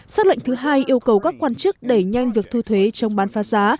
xác lệnh thứ hai yêu cầu các quan chức đẩy nhanh việc thu thuế chống bán phá giá